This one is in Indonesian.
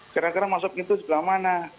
kira kira masuk pintu sebelah mana